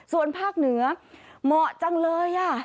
ส่วนภาคเหนือเหมาะจังเลย